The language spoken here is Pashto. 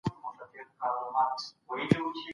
پښتو ژبه زموږ د پښتنو د عزت او سرلوړۍ لویه وسیله ده